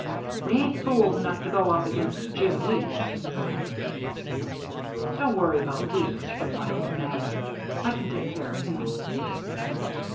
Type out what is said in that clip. "We ain't fools enough to go up against Jim Weeks," he said. "Don't worry about Weeks," replied McNally, "I can take care of him."